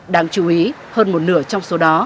đáng chú ý hơn một nửa trong số đó